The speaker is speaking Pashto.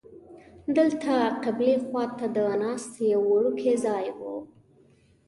دلته قبلې خوا ته د ناستې یو وړوکی ځای و.